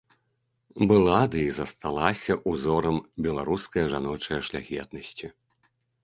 Была, ды і засталася, узорам беларускае жаночае шляхетнасці.